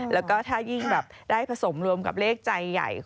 แล้วก็ถ้ายิ่งแบบได้ผสมรวมกับเลขใจใหญ่